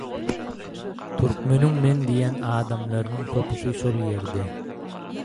türkmeniň men diýen adamlarynyň köpüsi şol ýerde.